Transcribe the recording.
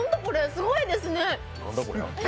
すごいですね。